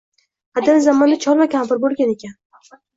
Qadim zamonda chol va kampir bo’lgan ekan